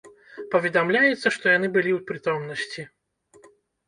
Паведамляецца, што яны былі ў прытомнасці.